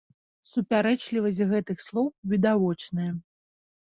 Супярэчлівасць гэтых слоў відавочная.